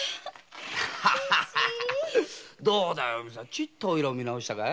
ちっとはオレを見直したかい？